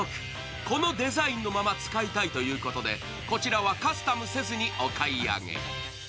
このデザインのまま使いたいということでこちらはカスタムせずにお買い上げ。